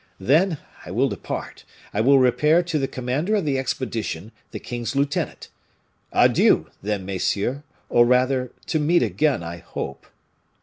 Then, I will depart, I will repair to the commander of the expedition, the king's lieutenant. Adieu! then, messieurs, or rather, to meet again, I hope."